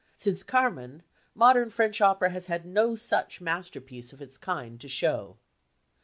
Since Carmen modern French opera has no such masterpiece of its kind to show.